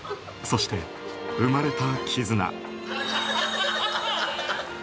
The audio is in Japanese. そして生まれた絆。